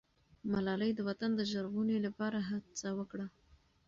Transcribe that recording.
ملالۍ د وطن د ژغورنې لپاره هڅه وکړه.